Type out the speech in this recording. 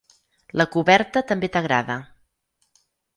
La coberta també t'agrada.